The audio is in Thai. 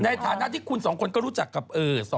ในฐานะที่คุณ๒ก็รู้จักกับ๒คนนี้